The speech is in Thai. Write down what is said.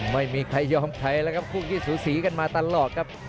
ไม่มีใครยอมใครแล้วครับคู่ขี้สูสีกันมาตลอดครับ